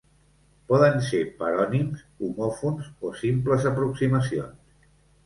Poden ser parònims, homòfons o simples aproximacions.